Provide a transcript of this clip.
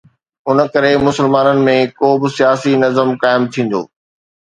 ان ڪري مسلمانن ۾ ڪو به سياسي نظم قائم ٿيندو.